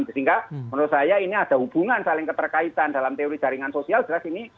sehingga menurut saya ini ada hubungan saling keterkaitan dalam teori jaringan sosial jelas ini